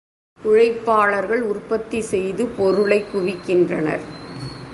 உழைப்பாளர்கள் உற்பத்தி செய்து பொருளைக் குவிக்கின்றனர்.